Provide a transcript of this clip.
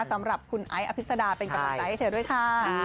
สำหรับคุณไอ้อภิษดาเป็นกำลังใจให้เธอด้วยค่ะ